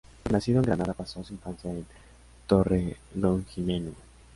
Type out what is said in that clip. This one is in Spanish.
Aunque nacido en Granada pasó su infancia en Torredonjimeno.